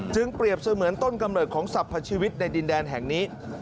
เปรียบเสมือนต้นกำเนิดของสรรพชีวิตในดินแดนแห่งนี้